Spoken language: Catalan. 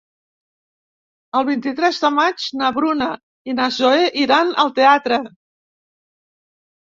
El vint-i-tres de maig na Bruna i na Zoè iran al teatre.